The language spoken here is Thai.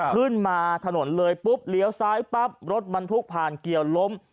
ขึ้นมาถนนเลยปุ๊บเลี้ยวซ้ายปั๊บรถบรรทุกผ่านเกี่ยวล้ม